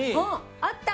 あった！